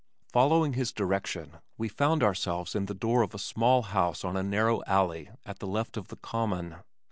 Following his direction, we found ourselves in the door of a small house on a narrow alley at the left of the Common.